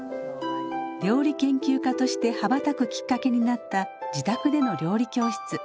料理研究家として羽ばたくきっかけになった自宅での料理教室。